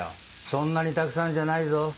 そんなにたくさんじゃないぞ。